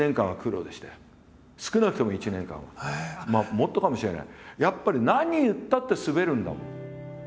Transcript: もっとかもしれない。